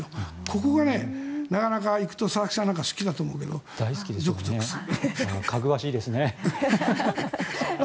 ここが、なかなか行くと佐々木さんなんかは好きだろうけどゾクゾクする。